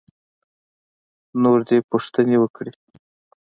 نور دې پوښتنې وکړي.